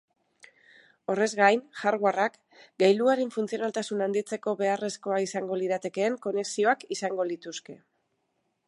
Horrez gain, hardwareak gailuaren funtzionaltasuna handitzeko beharrezkoak izango liratekeen konexioak izango lituzke.